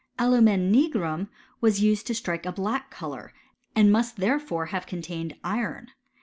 Alumen nigrum used to strike a black colour, and must therefore hvigt contained iron.